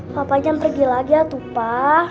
papa jangan pergi lagi ya tupa